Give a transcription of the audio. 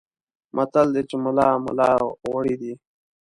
متل دی چې ملا ملا غوړي دي.